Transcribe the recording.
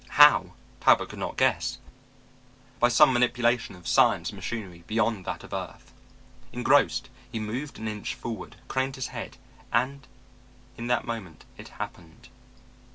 How? Talbot could not guess. By some manipulation of science and machinery beyond that of earth. Engrossed, he moved an inch forward, craned his head, and in that moment it happened.